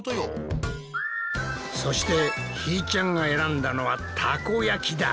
そしてひーちゃんが選んだのはたこ焼きだ！